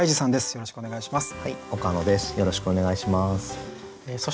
よろしくお願いします。